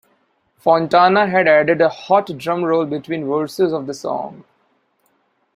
Fontana had added a hot drum roll between verses of the song.